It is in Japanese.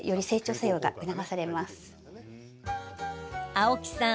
青木さん